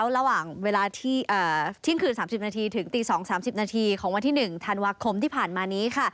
ระหว่างเวลาเที่ยงคืน๓๐นาทีถึงตี๒๓๐นาทีของวันที่๑ธันวาคมที่ผ่านมานี้